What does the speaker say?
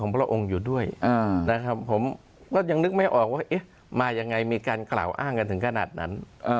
ผมยังนึกไม่ออกว่ามีการกล่าวอ้างถึงขนาดนั้น